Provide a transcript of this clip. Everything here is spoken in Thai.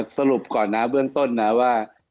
สรุปก่อนนะเบื้องต้นนะว่า